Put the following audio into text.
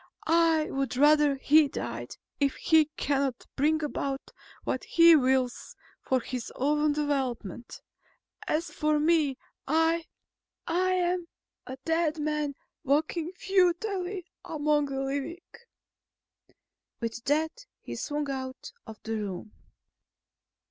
I would rather he died, if he cannot bring about what he wills for his own development. As for me, I ... I am a dead man walking futilely among the living." With that, he swung out of the room.